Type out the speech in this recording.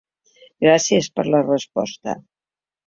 Gràcies per la resposta!